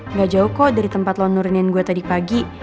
nggak jauh kok dari tempat lo nuranian gue tadi pagi